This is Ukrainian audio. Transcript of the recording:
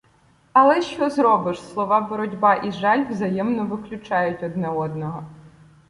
Але що зробиш? Слова "боротьба" і "жаль" взаємно виключають одне одного.